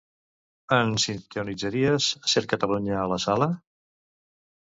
Ens sintonitzaries "Ser Catalunya" a la sala?